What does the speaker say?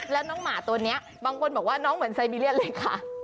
แล้วน้องหมาตัวนี้บางคนบอกว่าน้องเหมือนไซบีเรียนเลยค่ะ